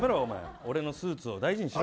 俺のスーツを大事にしろ。